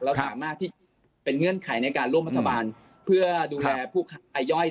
สามารถที่เป็นเงื่อนไขในการร่วมรัฐบาลเพื่อดูแลผู้ไอย่อย